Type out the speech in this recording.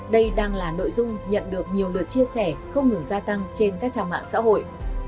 đây đang là nội dung nhận được nhiều lượt chia sẻ không ngừng gia tăng trên các trang mạng xã hội